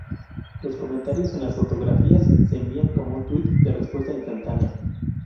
Los comentarios en las fotografías se envían como un tuit de respuesta instantánea.